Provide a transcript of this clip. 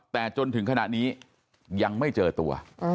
แต่จนถึงขณะนี้ยังไม่เจอตัว